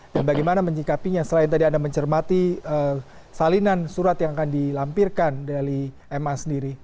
dan bagaimana menyingkapinya selain tadi anda mencermati salinan surat yang akan dilampirkan dari ma sendiri